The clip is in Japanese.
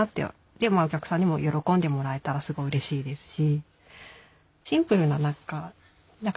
でお客さんにも喜んでもらえたらすごいうれしいですし。